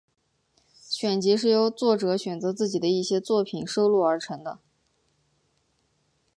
选集是由作者选择自己的一些作品收录而成的。